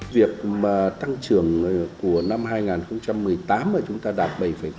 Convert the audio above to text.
việc tăng trưởng của năm hai nghìn một mươi tám là chúng ta đạt bảy tám